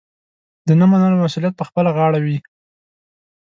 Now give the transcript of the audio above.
د نه منلو مسوولیت پخپله غاړه وي.